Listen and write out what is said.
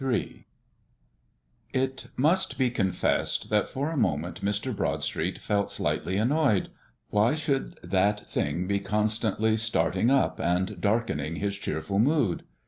III It must be confessed that for a moment Mr. Broadstreet felt slightly annoyed. Why should that Thing be constantly starting up and darkening his cheerful mood?